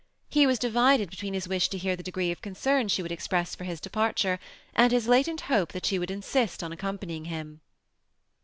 He was divided between his wish to hear the degree of concern she would express for his departure, and his latent hope that she would insist on accompanying him.